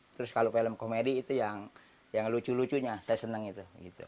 terus kalau film komedi itu yang lucu lucunya saya senang itu